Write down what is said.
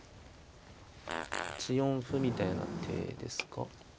８四歩みたいな手ですか。